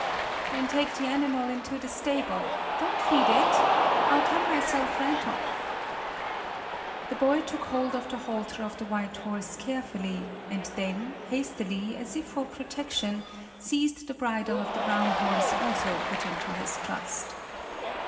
"Then take the animal into the stable; don't feed it. I'll come myself right off." The boy took hold of the halter of the white horse carefully and then hastily, as if for protection, seized the bridle of the brown horse also put into his trust.